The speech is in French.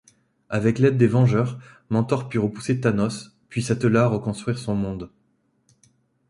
Avec l'aide des Vengeurs, Mentor put repousser Thanos, puis s'attela à reconstruire son monde.